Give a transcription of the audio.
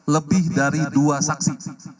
lebih dari dua saksi